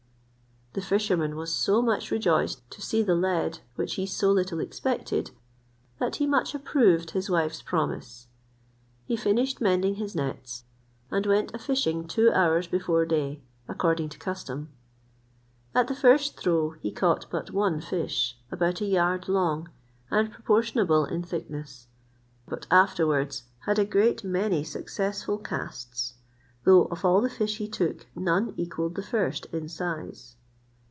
The fisherman was so much rejoiced to see the lead, which he so little expected, that he much approved his wife's promise. He finished mending his nets, and went a fishing two hours before day, according to custom. At the first throw he caught but one fish, about a yard long, and proportionable in thickness; but afterwards had a great many successful casts; though of all the fish he took none equalled the first in size.